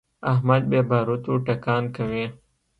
احمد بې باروتو ټکان کوي.